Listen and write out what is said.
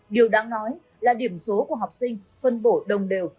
điều đáng nói là điểm số của học sinh phân bổ đồng đều